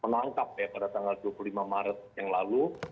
menangkap ya pada tanggal dua puluh lima maret yang lalu